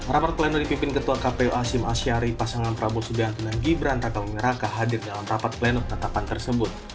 rapat plenum dipimpin ketua kpu asim asyari pasangan prabu sudianto dan gibran takau meraka hadir dalam rapat plenum penetapan tersebut